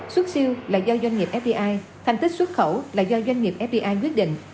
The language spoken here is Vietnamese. xuất siêu là do doanh nghiệp fdi thành tích xuất khẩu là do doanh nghiệp fdi quyết định